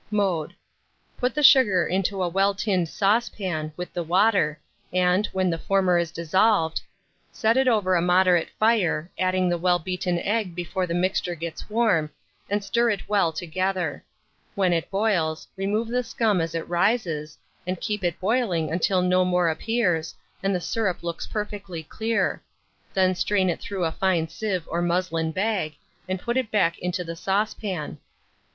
Mode. Put the sugar into a well tinned saucepan, with the water, and, when the former is dissolved, set it over a moderate fire, adding the well beaten egg before the mixture gets warm, and stir it well together. When it boils, remove the scum as it rises, and keep it boiling until no more appears, and the syrup looks perfectly clear; then strain it through a fine sieve or muslin bag, and put it back into the saucepan.